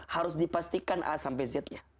harus dipastikan a sampai z nya